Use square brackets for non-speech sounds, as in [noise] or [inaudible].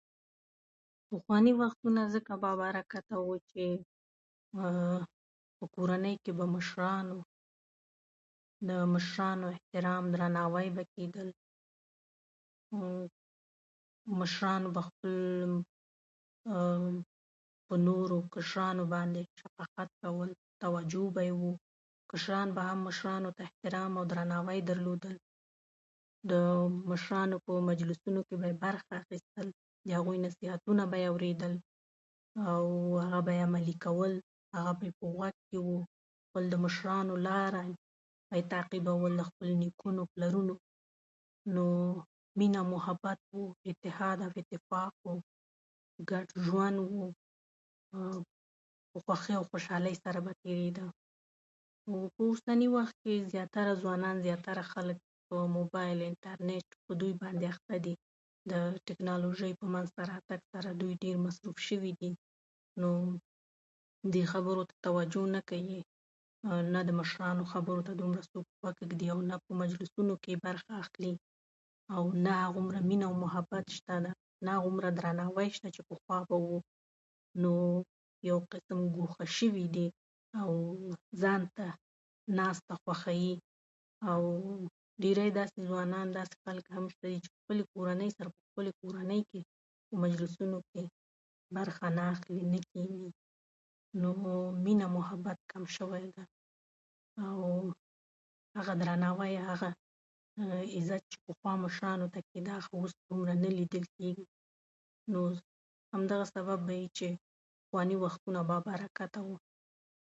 پخواني وختونه ځکه با برکته وو چې [hesitation] په کورنۍ کې به مشرانو، د مشرانو احترام، درناوی به کېده. مشرانو به خپل [hesitation] په نورو کشرانو باندې شفقت کول، توجه به یې وه. کشرانو به هم مشرانو ته به یې احترام او درناوی درلودل. د مشرانو په مجلسونو کې به برخه اخیستل، د هغوی نصیحتونه به یې اورېدل، او هغه به یې عملي کول، او هغه به یې په غوږ کې وو. د خپلو مشرانو لاره به یې تعقیبوله. د نیکونو، پلرونو [hesitation] مینه او محبت و، اتفاق او اتحاد و، ګډ ژوند و، په خوښۍ او خوشحالۍ سره به تېرېده. په اوسني وخت کې زیاتره ځوانان، زیاتره خلک په موبایل، انټرنیټ په دې کې باندې اخته دي. د ټکنالوژي سره ډېر مصروف شوي دي، نو دې خبرو ته توجه نه کوي. نه د مشرانو خبرو ته څوک دومره غوږ ږدي، او نه په مجلسونو کې برخه اخلي، او نه هغومره مینه او محبت شته، نه هغومره درناوی شته چې پخوا به و. نو یو قسم ګوښه شوي دي او ځانته ناسته خوښوي، او ډېری داسې ځوانان او داسې خلک به وښيي چې خپلې کورنۍ سره، په خپلې کورنۍ سره مجلسونو کې برخه نه اخلي، نه کېني. نو مینه او محبت کم شوی ده، او هغه درناوی، هغه عزت مشرانو ته کېده، هغه اوس نه لیدل کېږي. نو اوس همدغه سبب به وي چې پخواني وختونه با برکته وو.